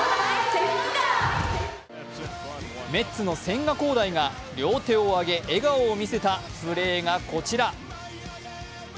メッツの千賀滉大が両手を挙げ笑顔を見せたプレーがこちら。